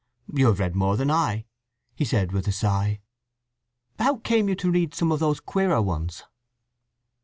"You have read more than I," he said with a sigh. "How came you to read some of those queerer ones?"